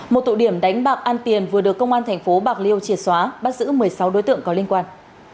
một tụ điểm đánh bạc an tiền vừa được công an thành phố bạc liêu triệt xóa bắt giữ một mươi sáu đối tượng có liên quan